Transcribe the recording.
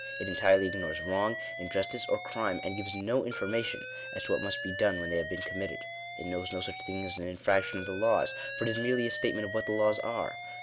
It entirely ignores wrong, injustice, or crime, and gives no information as to what must be done when they have been committed. It knows no such thing as an infraction of the laws, for it is merely a statement of what the laws are.